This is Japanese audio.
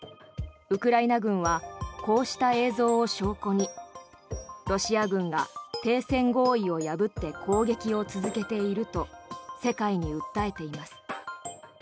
ウクライナ軍はこうした映像を証拠にロシア軍が停戦合意を破って攻撃を続けていると世界に訴えています。